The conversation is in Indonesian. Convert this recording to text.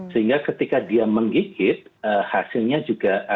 sehingga ketika dia menggigit hasilnya juga